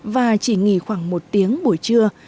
và chỉ nghỉ khoảng một tiếng buổi trưa